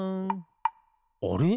あれ？